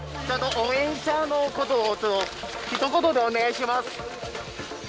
応援者のことを、ひと言でお願いします。